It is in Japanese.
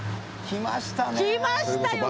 来ましたよ